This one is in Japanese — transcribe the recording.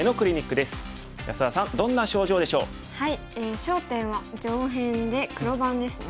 焦点は上辺で黒番ですね。